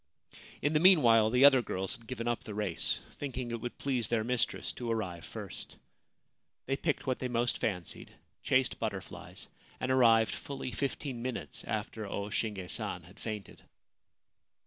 In the meanwhile the other girls had given up the race, thinking it would please their mistress to arrive first. They picked what they most fancied, chased butterflies, and arrived fully fifteen minutes after O Shinge San had fainted.